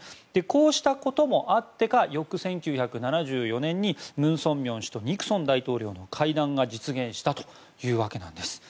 こうしたこともあってか翌１９７４年に文鮮明氏とニクソン大統領の会談が実現したというわけなんです。